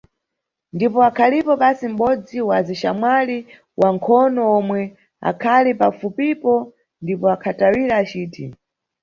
Ndipo akhalipo basi mʼbodzi wa azixamwali wa nkhono omwe akhali pafupipo ndipo akhatawira aciti.